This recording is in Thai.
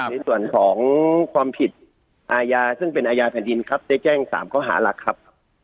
ในส่วนของความผิดอาญาซึ่งเป็นอาญาแผ่นดินครับได้แจ้ง๓ข้อหาหลักครับ